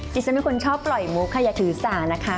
ฉันเป็นคนชอบปล่อยมุกค่ะอย่าถือสานะคะ